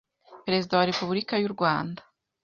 Perezida wa Repubulika y’u Rwanda